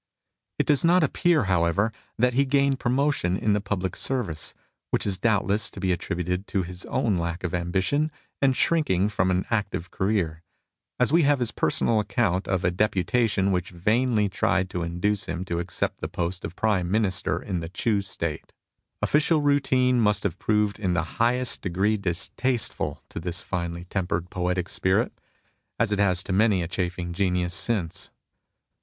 It does not appear, however, that he gained promotion in the public service, which is doubtless to be attributed to his own lack of ambition and shrinking from an active career, as we have his personal account of a deputation which vainly tried to induce him to accept the post of Prime Minister in the Ch'u State. Official routine must have proved in the highest degree distasteful to this finely tempered poetic spirit, as it has to many a chafing genius since.